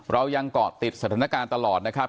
เรายังเกาะติดสถานการณ์ตลอดนะครับ